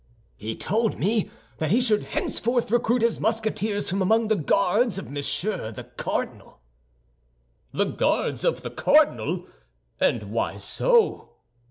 "He told me that he should henceforth recruit his Musketeers from among the Guards of Monsieur the Cardinal." "The Guards of the cardinal! And why so?"